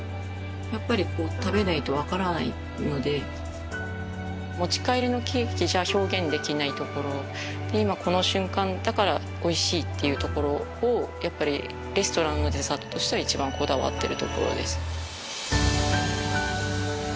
やっぱりこう食べないとわからないので持ち帰りのケーキじゃ表現できないところ今この瞬間だからおいしいっていうところをやっぱりレストランのデザートとしては一番こだわってるところです